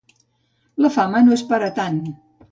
La fama no és per a tant.